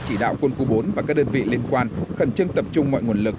chỉ đạo quân khu bốn và các đơn vị liên quan khẩn trương tập trung mọi nguồn lực